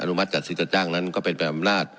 มัติจัดซื้อจัดจ้างนั้นก็เป็นไปอำนาจ